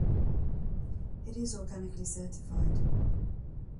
It is organically certified.